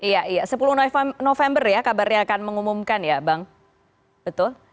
iya iya sepuluh november ya kabarnya akan mengumumkan ya bang betul